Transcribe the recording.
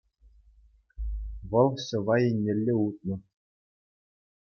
вӑл ҫӑва еннелле утнӑ.